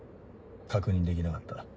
確認できなかった。